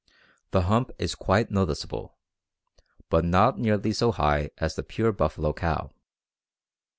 The hump is quite noticeable, but is not nearly so high as in the pure buffalo cow.